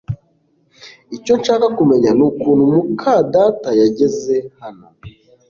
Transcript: Icyo nshaka kumenya nukuntu muka data yageze hano